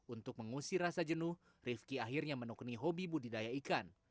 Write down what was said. untuk mengusir rasa jenuh rifki akhirnya menukuni hobi budidaya ikan